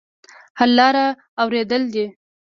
حل لاره اورېدل دي.